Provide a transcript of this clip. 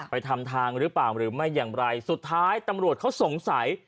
ไปทำทางหรือเปล่าหรือไม่อย่างไรสุดท้ายตำรวจเขาสงสัย